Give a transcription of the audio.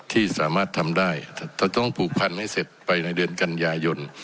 ที่สามารถทำได้แต่ต้องผูกพันให้เสร็จไปในเดือนกันยายน